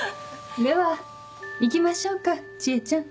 では行きましょうか知恵ちゃん。